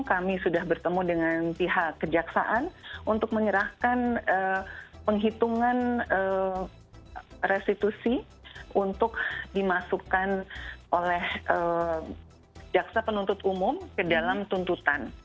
kami sudah bertemu dengan pihak kejaksaan untuk menyerahkan penghitungan restitusi untuk dimasukkan oleh jaksa penuntut umum ke dalam tuntutan